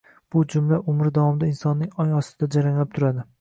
Bu jumla umri davomida insonning ongostida jaranglab turadi